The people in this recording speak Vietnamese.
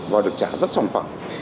và được trả rất sòng phẳng